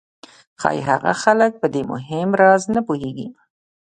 ښایي هغه خلک په دې مهم راز نه پوهېږي